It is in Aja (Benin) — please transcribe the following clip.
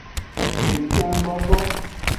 Ekpen bobo.